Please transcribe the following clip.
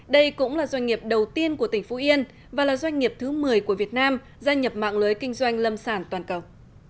đây cũng là doanh nghiệp đầu tiên của tỉnh phú yên và là doanh nghiệp thứ một mươi của việt nam gia nhập mạng lưới kinh doanh lâm sản toàn cầu